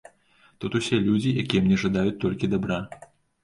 Тут усе людзі, які мне жадаюць толькі дабра.